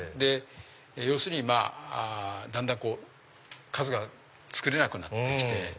要するにだんだん数が作れなくなってきて。